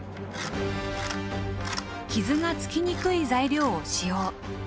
傷がつきにくい材料を使用。